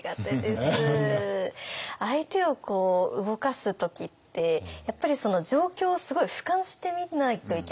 相手を動かす時ってやっぱり状況をすごいふかんして見ないといけないですよね。